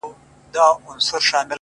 ستا د تورو سترگو اوښکي به پر پاسم،